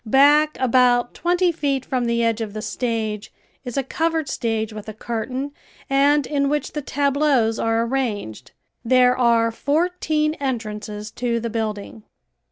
Back about twenty feet from the edge of the stage is a covered stage with a curtain and in which the tableaus are arranged. There are fourteen entrances to the building.